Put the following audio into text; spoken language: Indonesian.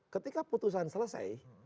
ketika putusan selesai